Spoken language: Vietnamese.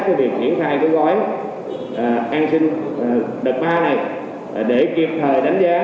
cái việc diễn thai cái gói an sinh đợt ba này để kịp thời đánh giá